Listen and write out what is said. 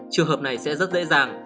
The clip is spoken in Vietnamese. trường hợp này sẽ rất dễ dàng